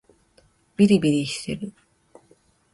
びりびりしてる